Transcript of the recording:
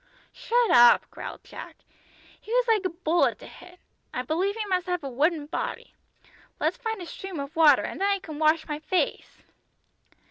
"Shut up," growled Jack; "he was like a bullet to hit. I believe he must have a wooden body. Let's find a stream of water, and then I can wash my face!"